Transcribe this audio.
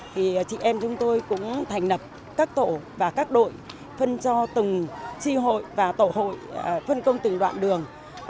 thì chị em chúng tôi cũng thành lập các tổ và các đội phân cho từng tri hội và tổ hội phân công từng đoạn đường